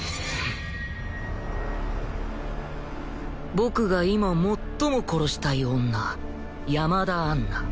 僕が今最も殺したい女山田杏奈